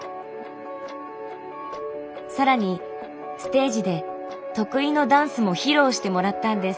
更にステージで得意のダンスも披露してもらったんです。